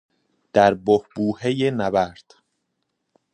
در بحبوحهی نبرد